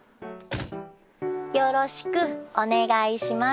よろしくお願いします。